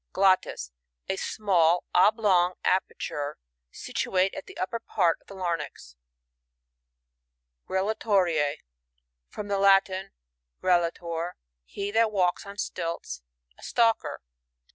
Glottis. — A small oblong aperture, situate at the upper part of the larynx. Grallatori^ — From the Latin, grallator^ be that walks on stilts ; a stalker.